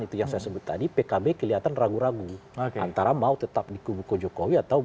itu yang saya sebut tadi